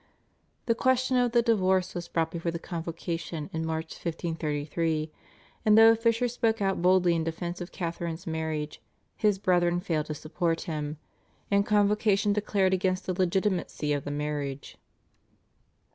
The question of the divorce was brought before the Convocation in March 1533, and though Fisher spoke out boldly in defence of Catharine's marriage, his brethren failed to support him, and Convocation declared against the legitimacy of the marriage.